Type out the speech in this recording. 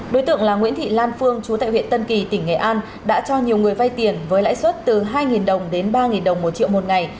đối tượng là nguyễn thị lan phương chú tại huyện tân kỳ tỉnh nghệ an đã cho nhiều người vay tiền với lãi suất từ hai đồng đến ba đồng một triệu một ngày